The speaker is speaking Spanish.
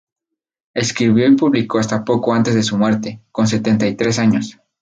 Escribió y publicó hasta poco antes de su muerte, con setenta y tres años.